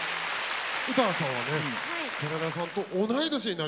詩羽さんはね寺田さんと同い年になりますから。